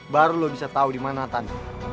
baru lo bisa tau dimana nathan